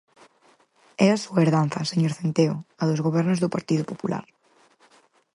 É a súa herdanza, señor Centeo, a dos gobernos do Partido Popular.